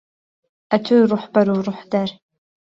ئهتوی ڕوحبهر و ڕوحدەر